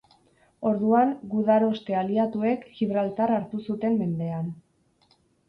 Orduan, gudaroste aliatuek Gibraltar hartu zuten mendean.